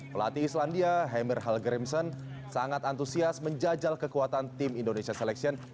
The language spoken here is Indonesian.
pelatih islandia hemir hall grimson sangat antusias menjajal kekuatan tim indonesia selection